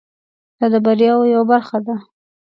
دا د بریاوو یوه برخه ده.